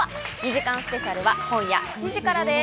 ２時間スペシャルは今夜７時からです。